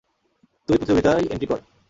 তুই প্রতিযোগিতায় এন্ট্রি কর!